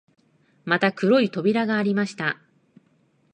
また黒い扉がありました